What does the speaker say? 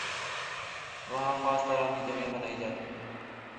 وہاں خاص طرح کی جگہیں بنائی جاتی ہیں